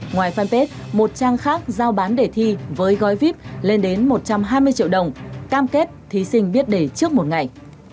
ngoài fanpage một trang khác giao bán để thi với gói vip lên đến một trăm hai mươi triệu đồng cam kết thí sinh biết để trước một ngày